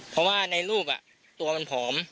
เพราะว่าในรูปตัวมันผอม